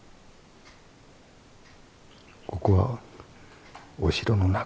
ここはお城の中。